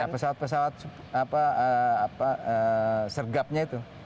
pesawat pesawat sergapnya itu